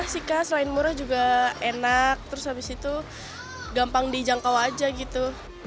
sih kak selain murah juga enak terus habis itu gampang dijangkau aja gitu